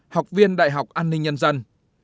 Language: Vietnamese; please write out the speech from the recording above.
học viên đại học an ninh nhân dân